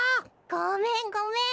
ごめんごめん。